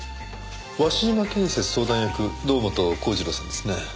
鷲島建設相談役堂本幸次郎さんですね？